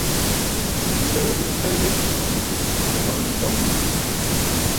Ǹjə̀ə̀ ghɨ̀rə nlɛ yi ŋù tsù a nɔʼɔ̀ nɨ̂ ǹtɔ̀ŋə̂ yi.